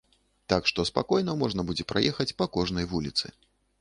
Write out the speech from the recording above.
Так што спакойна можна будзе праехаць па кожнай вуліцы.